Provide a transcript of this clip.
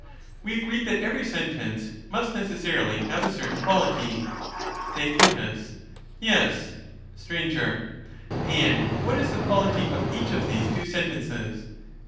We agreed that every sentence must necessarily have a certain quality. Theaet. Yes. Str. And what is the quality of each of these two sentences?